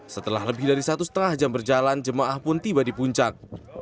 setelah lebih dari satu setengah jam berjalan jemaah pun tiba di puncak